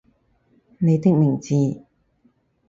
你的名字